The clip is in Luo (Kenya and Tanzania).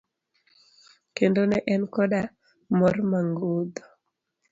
Kendo ne en koda mor mogundho.